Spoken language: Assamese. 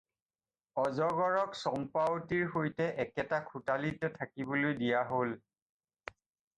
অজগৰক চম্পাৱতীৰ সৈতে একেটা খোঁটালিতে থাকিবলৈ দিয়া হ'ল।